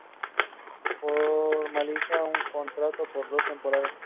Formaliza un contrato por dos temporadas.